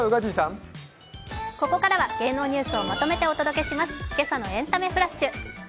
ここからは芸能ニュースをまとめてお届けします。